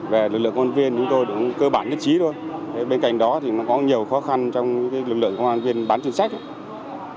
về lực lượng công an viên chúng tôi cũng cơ bản nhất trí thôi bên cạnh đó thì nó có nhiều khó khăn trong lực lượng công an viên bán chuyên trách